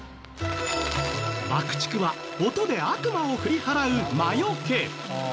爆竹は音で悪魔を振り払う魔よけ。